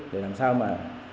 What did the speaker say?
để làm sao mà